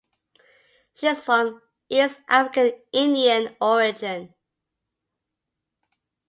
She is from an East African Indian origin.